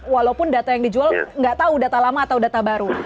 walaupun data yang dijual nggak tahu data lama atau data baru